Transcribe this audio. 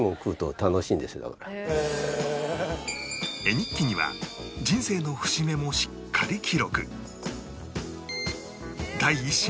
絵日記には人生の節目もしっかり記録